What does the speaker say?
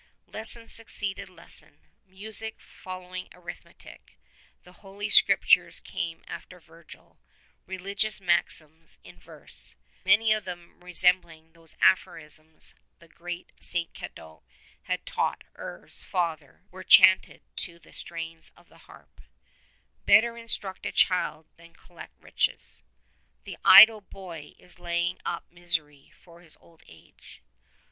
Lesson succeeded lesson, music followed arithmetic, the Holy Scriptures came after Virgil, religious maxims in verse, many of them resembling those aphorisms the great 105 St. Cadoc had taught Herve's father, were chanted to the strains of the harp: " Better instruct a child than collect riches*^ " The idle boy is laying up misery for his old age."